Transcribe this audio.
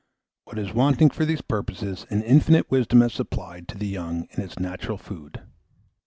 What is wanting for these purposes an Infinite Wisdom has supplied to the young in its natural food.